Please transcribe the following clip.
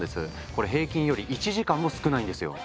これ平均より１時間も少ないんですよ。